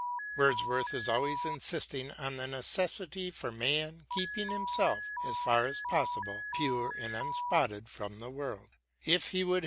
Wordsworth is always insisting on the necessity for man keeping himself as far as possible " pure and unspotted from the world ": if he would have • "Prelude," Bk.